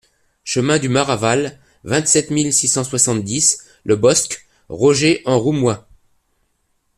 Chemin du Maraval, vingt-sept mille six cent soixante-dix Le Bosc-Roger-en-Roumois